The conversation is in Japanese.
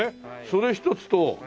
それ１つと。